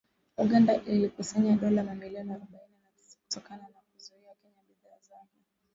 Uganda ilikusanya dola milioni arobaini na tisa kutokana na kuizuia Kenya bidhaa zake